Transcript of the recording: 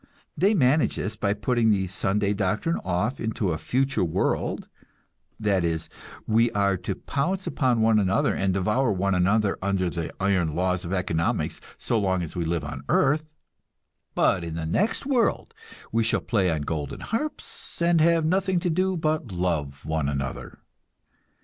They manage this by putting the Sunday doctrine off into a future world; that is, we are to pounce upon one another and devour one another under the "iron laws" of economics so long as we live on earth, but in the next world we shall play on golden harps and have nothing to do but love one another.